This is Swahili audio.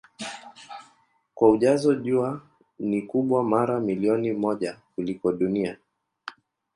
Kwa ujazo Jua ni kubwa mara milioni moja kuliko Dunia.